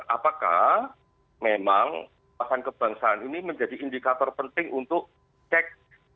apakah memang kekuasaan kebangsaan ini menjadi indikator penting untuk cek